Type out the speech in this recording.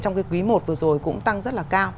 trong cái quý i vừa rồi cũng tăng rất là cao